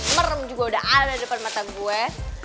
merem juga udah ada di depan mata gue